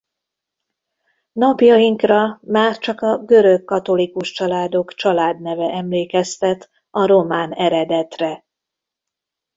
Napjainkra már csak a görögkatolikus családok családneve emlékeztet a román eredetre.